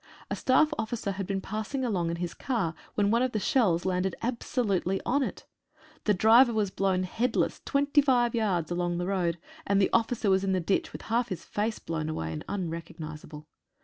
A staff officer had been passing along in his car, when one of the shells landed absolutely on it. The driver was blown headless 25 yards along the road, and the officer was in the ditch with half his face blown away and unrecognisable.